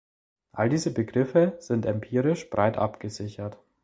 All diese Begriffe sind empirisch breit abgesichert.